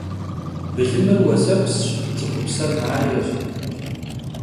Bılımır vuesepsş, ts'ıxupser maêş.